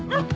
あ！